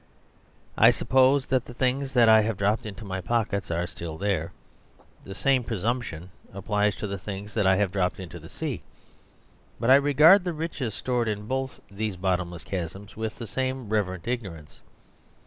I suppose that the things that I have dropped into my pockets are still there; the same presumption applies to the things that I have dropped into the sea. But I regard the riches stored in both these bottomless chasms with the same reverent ignorance.